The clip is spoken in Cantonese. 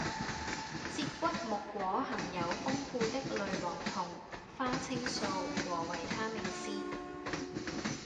接骨木果含有豐富的類黃酮、花青素和維他命 C